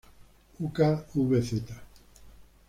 Uk vz.